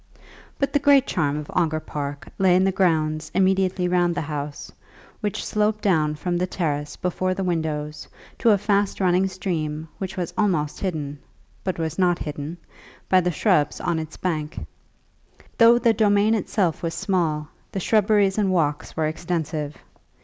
But the great charm of Ongar Park lay in the grounds immediately round the house, which sloped down from the terrace before the windows to a fast running stream which was almost hidden, but was not hidden, by the shrubs on its bank. Though the domain itself was small, the shrubberies and walks were extensive.